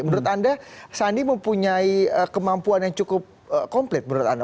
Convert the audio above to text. menurut anda sandi mempunyai kemampuan yang cukup komplit menurut anda